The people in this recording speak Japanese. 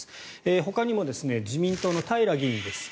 ほかにも自民党の平議員です。